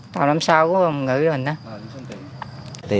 tàu năm sao của người mình đó